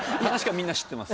みんな知ってます。